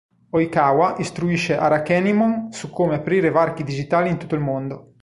Oikawa istruisce Arakenimon su come aprire Varchi Digitali in tutto il mondo.